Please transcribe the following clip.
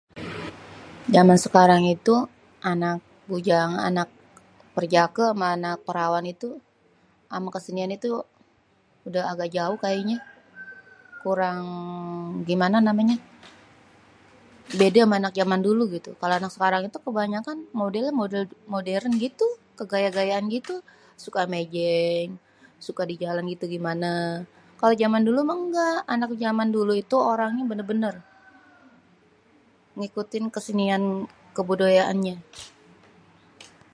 Zaman sekarang itu anak bujang, anak perjakê, anak perawan itu, amê kesenian itu udêh agak jauh kayanyê. kurang gimana namanyê, bêdê amê anak zaman dulu. kalau anak sekarang itu kebanyakan modelê model modern gitu kegaya-gayaan gitu suka méjéng, suka dijalan gitu gimané... kalau zaman dulu meh engga, anak zaman dulu itu orangnya bénér-bénér ngikutin kesenian kebudayaannyé.